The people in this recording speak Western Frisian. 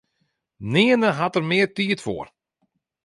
Nearne hat er mear tiid foar.